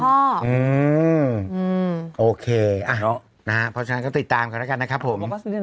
อืมโอเคอ่ะนะฮะพอฉะนั้นก็ติดตามเขาแล้วกันนะครับผม